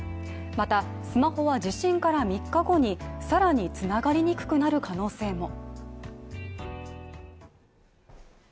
また、スマホは地震から３日後にさらに繋がりにくくなる可能性も。